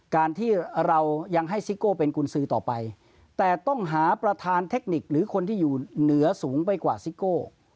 การที่เรายังให้ซิโก้เป็นกุญสือต่อไปแต่ต้องหาประธานเทคนิคหรือคนที่อยู่เหนือสูงไปกว่าซิโก้